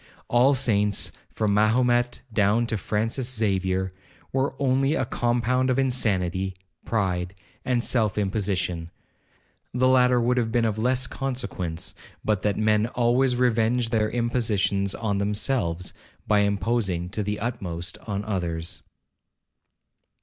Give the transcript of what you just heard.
All saints, from Mahomet down to Francis Xavier, were only a compound of insanity, pride, and self imposition;—the latter would have been of less consequence, but that men always revenge their impositions on themselves, by imposing to the utmost on others.'